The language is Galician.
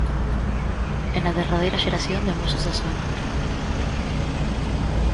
E na derradeira xeración de mozos da zona.